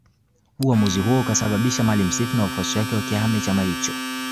Uamuzi huo ukasababisha Maalim Self na wafuasi wake wakihame chama hicho